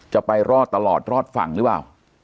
จะไปรอดตลอดรอดฝั่งหรือเปล่า